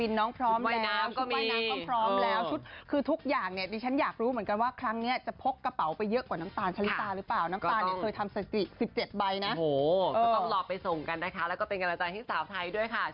ก็ต้องรอไปส่งกันนะคะแล้วก็เป็นกำลังใจให้สาวไทยด้วยค่ะ